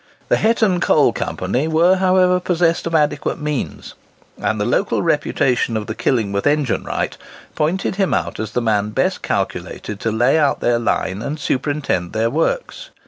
The Hetton Coal Company were, however, possessed of adequate means; and the local reputation of the Killingworth engine wright pointed him out as the man best calculated to lay out their line, and superintend their works.